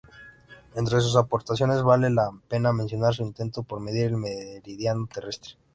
Entre sus aportaciones vale la pena mencionar su intento por medir el meridiano terrestre.